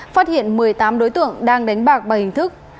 phát hiện một mươi tám đối tượng đang đánh bạc bằng hình thức